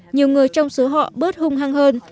nhiều người trong số họ bớt hung hăng hơn